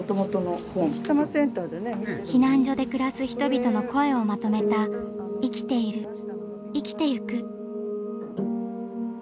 避難所で暮らす人々の声をまとめた「生きている生きてゆく」。